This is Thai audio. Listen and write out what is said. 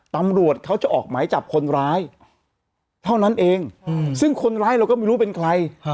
ตำรวจเขาจะออกหมายจับคนร้ายเท่านั้นเองซึ่งคนร้ายเราก็ไม่รู้เป็นใคร